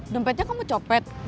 dempetnya kamu copet